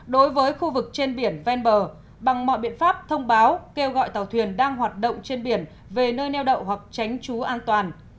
đối với khu vực trên biển ven bờ bằng mọi biện pháp thông báo kêu gọi tàu thuyền đang hoạt động trên biển về nơi neo đậu hoặc tránh trú an toàn